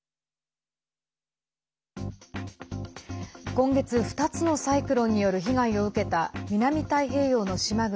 今月２つのサイクロンによる被害を受けた南太平洋の島国